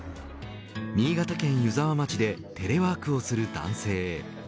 新潟県湯沢町でテレワークをする男性。